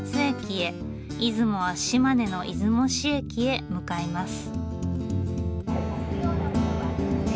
出雲は島根の出雲市駅へ向かいます。